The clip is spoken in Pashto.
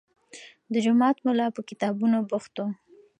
د جومات ملا په کتابونو بوخت و.